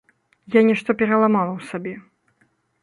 Я нешта пераламала ў сабе.